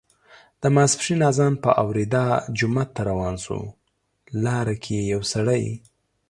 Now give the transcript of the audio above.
د ماسپښین اذان په اوریدا جومات ته روان شو، لاره کې یې یو سړی